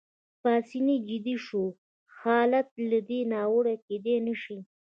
پاسیني جدي شو: حالت له دې ناوړه کېدای نه شي.